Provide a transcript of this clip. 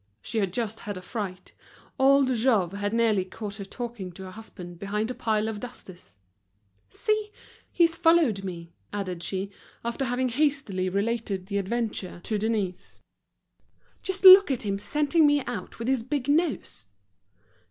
She had just had a fright—old Jouve had nearly caught her talking to her husband behind a pile of dusters. "See! he's followed me," added she, after having hastily related the adventure to Denise. "Just look at him scenting me out with his big nose!"